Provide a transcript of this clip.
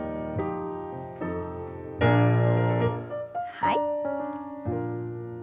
はい。